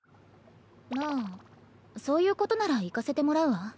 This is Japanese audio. まあそういうことなら行かせてもらうわ。